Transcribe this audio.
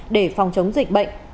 để phòng chống dịch bệnh